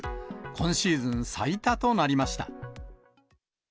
今シーズン最多となりました。